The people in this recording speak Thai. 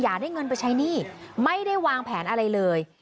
ได้เงินไปใช้หนี้ไม่ได้วางแผนอะไรเลย